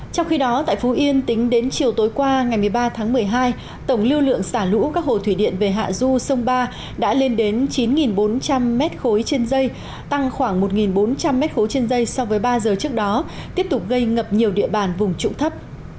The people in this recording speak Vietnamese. trong khi đó tại phú yên tính đến chiều tối qua ngày một mươi ba tháng một mươi hai tổng lưu lượng xả lũ các hồ thủy điện về hạ du sông ba đã lên đến chín bốn trăm linh m ba trên dây tăng khoảng một bốn trăm linh m ba trên dây so với ba giờ trước đó tiếp tục gây ngập nhiều địa bàn vùng trụng thấp